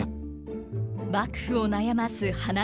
幕府を悩ます花見問題。